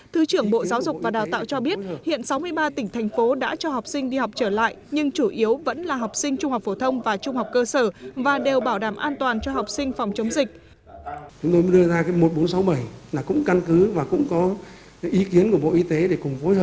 thứ trưởng bộ giáo dục và đào tạo cho biết hiện sáu mươi ba tỉnh thành phố đã cho học sinh đi học trở lại nhưng chủ yếu vẫn là học sinh trung học phổ thông và trung học cơ sở và đều bảo đảm an toàn cho học sinh phòng chống dịch